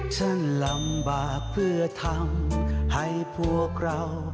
ท่านลำบากเพื่อทำให้พวกเราสบาย